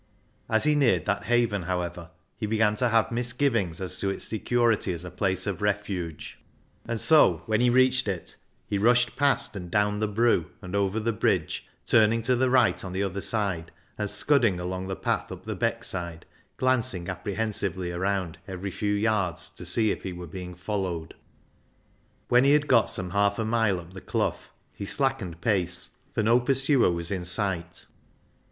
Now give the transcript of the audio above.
As he neared that haven, however, he began to have misgivings as to its security as a place of refuge, and so, when he reached it, he rushed past and down the " broo " and over the bridge, turning to the right on the other side, and scudding along the path up the Beck side, glancing apprehensively around every few yards to see if he were being followed. When he had got some half a mile up the Clough he slackened pace, for no pursuer was in sight.